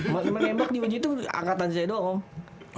memenembak di wajah itu angkatan saya doang om